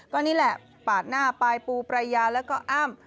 ก็นี่แหละปาดหน้าปลายปูปรายาแล้วก็อ้ำ